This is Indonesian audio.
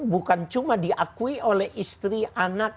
bukan cuma diakui oleh istri anak dan anak